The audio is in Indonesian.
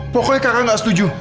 pokoknya kakak gak setuju